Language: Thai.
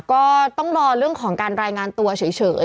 ก็ต้องรอเรื่องของการรายงานตัวเฉย